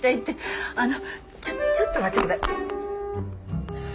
あのちょちょっと待ってくだ。